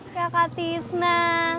hei kakak tisna